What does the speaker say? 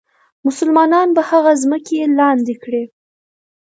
مسلمانان به هغه ځمکې لاندې کړي.